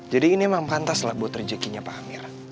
jadi ini emang pantas lah buat rejekinya pak amir